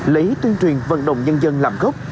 lấy tuyên truyền vận động nhân dân làm gốc